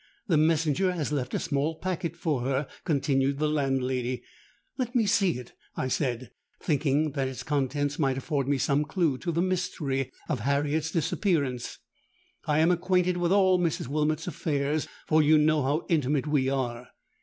—'The messenger has left a small packet for her,' continued the landlady.—'Let me see it,' I said, thinking that its contents might afford some clue to the mystery of Harriet's disappearance: 'I am acquainted with all Mrs. Wilmot's affairs, for you know how intimate we are.'